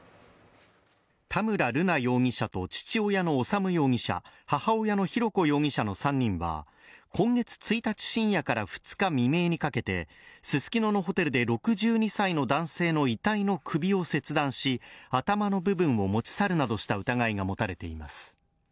田村瑠奈容疑者と父親の修容疑者、母親の浩子容疑者の３人は、今月１日深夜から２日未明にかけて、ススキノのホテルで６２歳の男性の遺体の首を切断し頭の部分を持ち去るなどした疑いが持たれています。